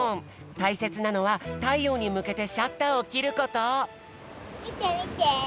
たいせつなのはたいようにむけてシャッターをきること。